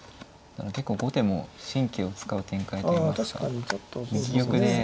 ただ結構後手も神経を使う展開といいますか右玉で。